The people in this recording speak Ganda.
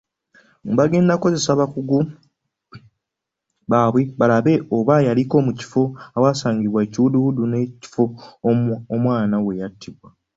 Bagenda kukozesa abakugu baabwe balabe oba yaliko mu kifo ewasangiddwa ekiwuduwudu n'ekifo omwana we yattiddwa.